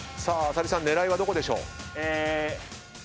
さあ浅利さん狙いはどこでしょう？